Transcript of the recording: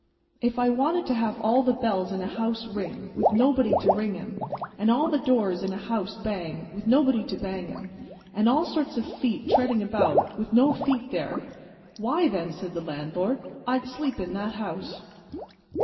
"If I wanted to have all the bells in a house ring, with nobody to ring 'em; and all the doors in a house bang, with nobody to bang 'em; and all sorts of feet treading about, with no feet there; why, then," said the landlord, "I'd sleep in that house."